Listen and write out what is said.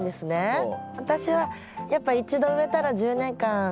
そう。